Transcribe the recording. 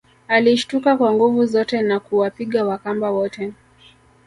Alishtuka kwa nguvu zote na kuwapiga Wakamba wote